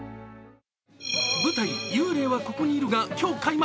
舞台「幽霊はここにいる」が今日開幕。